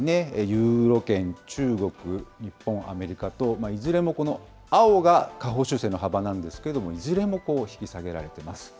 ユーロ圏、中国、日本、アメリカと、いずれもこの青が下方修正の幅なんですけれども、いずれも引き下げられています。